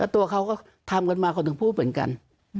ตัวเขาก็ทำกันมาเขาถึงพูดเหมือนกัน